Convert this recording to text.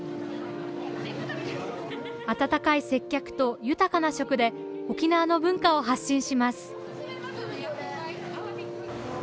温かい接客と豊かな食で沖縄の文化を発信します。